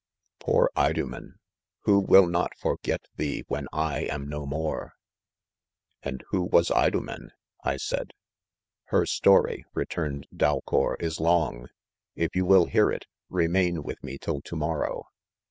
Poor Idomen!' who will not forget thee when I am no more V 9 " And who was% Idomen 1 " I said. " Her story," returned Dal cour, " is long |— If you will hear it, remain with me till to morrow."